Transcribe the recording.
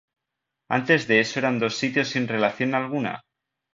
Antes de eso eran dos sitios sin relación alguna.